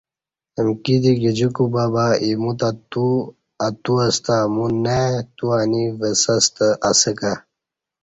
امکی دی گجی کوبہ بہ اِیمو تہ تو اتو استہ امو نہ ائی تو انی وسہ ستہ اسہ کہ